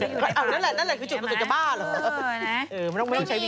นั่นแหละโจทย์เป็นสุจรบ้าเหรอ